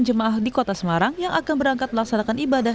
jemaah di kota semarang yang akan berangkat melaksanakan ibadah